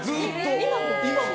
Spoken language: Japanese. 今も？